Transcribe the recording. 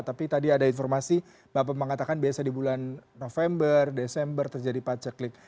tapi tadi ada informasi bapak mengatakan biasa di bulan november desember terjadi paceklik